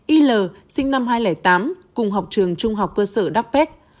il sinh năm hai nghìn tám cùng học trường trung học cơ sở đắk pest